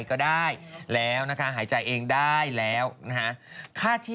ดสเตอร์ได้แล้วนะคะหายใช้เองได้แล้วนะคะค่าติด